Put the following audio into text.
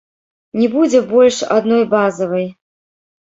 Не будзе больш адной базавай.